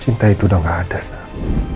cinta itu udah gak ada saya